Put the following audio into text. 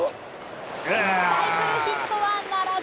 サイクルヒットはならず。